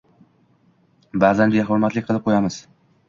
Ba’zan behurmatlik qilib qo‘yamiz.